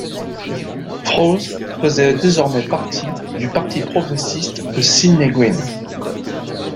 Froese faisait désormais partie du Parti progressiste de Sidney Green.